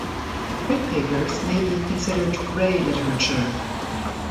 White papers may be considered grey literature.